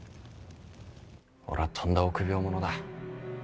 俺はとんだ臆病者だ。